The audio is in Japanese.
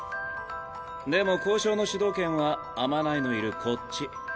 でも交渉の主導権は天内のいるこっち。